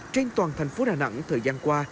trên toàn thành phố đà nẵng thời gian qua